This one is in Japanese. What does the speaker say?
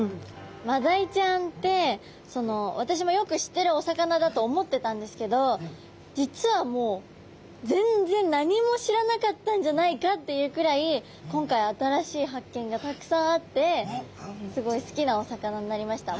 マダイちゃんって私もよく知ってるお魚だと思ってたんですけど実はもう全然何も知らなかったんじゃないかっていうくらい今回新しい発見がたくさんあってすごい好きなお魚になりました。